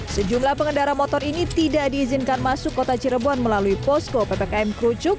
sejumlah pengendara motor ini tidak diizinkan masuk kota cirebon melalui posko ppkm kerucuk